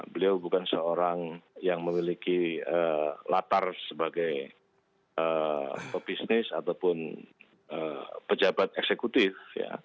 beliau bukan seorang yang memiliki latar sebagai pebisnis ataupun pejabat eksekutif